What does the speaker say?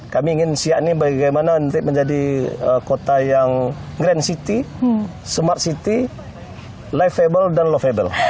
kami ingin siakni bagaimana menjadi kota yang grand city smart city livable dan lovable